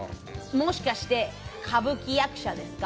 もしかして歌舞伎役者ですか？